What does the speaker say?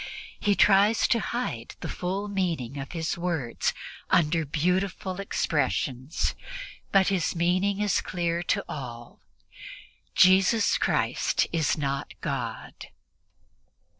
He tries to hide the full meaning of his words under beautiful expressions, but his meaning is clear to all "Jesus Christ is not God."